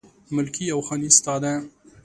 ملکي او خاني ستا ده